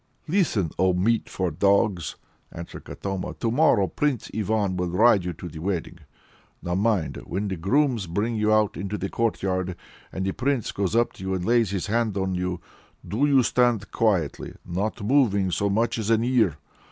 "Listen, O meat for dogs!" answered Katoma; "to morrow Prince Ivan will ride you to the wedding. Now mind! when the grooms bring you out into the wide courtyard, and the Prince goes up to you and lays his hand on you, do you stand quietly, not moving so much as an ear.